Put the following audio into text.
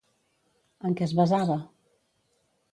En què es basava?